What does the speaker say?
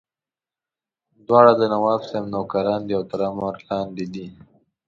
دواړه د نواب صاحب نوکران دي او تر امر لاندې دي.